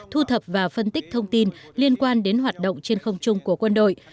thu thập và phân tích thông tin liên quan đến hoạt động trên không chung của quân đội